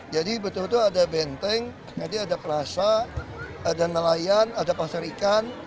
jadi betul betul ada benteng nanti ada perasa ada nelayan ada pasar ikan